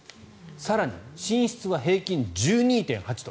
更に、寝室は平均１２．８度。